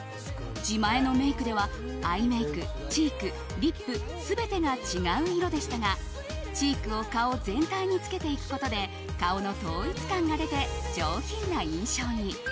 自前のメイクではアイメイク、チーク、リップ全てが違う色でしたがチークを顔全体につけていくことで顔の統一感が出て上品な印象に。